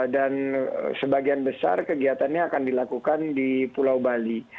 dan sebagian besar kegiatannya akan dilakukan di pulau bali